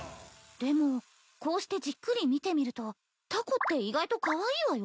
でもこうしてじっくり見てみるとタコって意外とカワイイわよ。